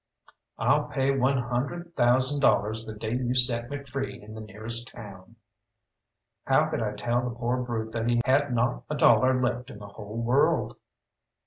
"I'll pay one hundred thousand dollars the day you set me free in the nearest town." How could I tell the poor brute that he had not a dollar left in the whole world?